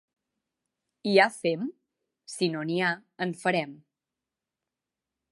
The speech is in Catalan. Hi ha fem? —Si no n'hi ha, en farem.